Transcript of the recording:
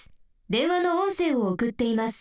電話のおんせいをおくっています。